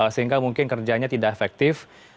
sehingga mungkin kerjanya tidak efektif